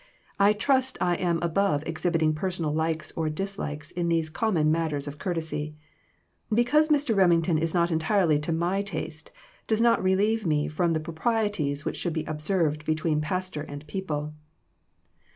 I trust I am above exhibiting personal likes or dislikes in these common matters of courtesy. Because Mr. Remington is not entirely to my taste, does not relieve me from the proprie ties which should be observed between pastor and people."